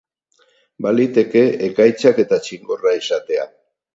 Baliteke, ekaitzak eta txingorra izatea.